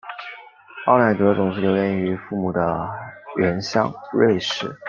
奥乃格总是留恋于父母的原乡瑞士。